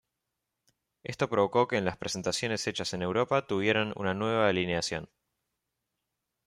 Esto provocó que en las presentaciones hechas en Europa tuvieran una nueva alineación.